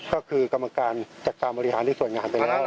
ก็คือกรรมการจัดการบริหารในส่วนงานไปแล้ว